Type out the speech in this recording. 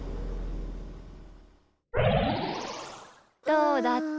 どうだった？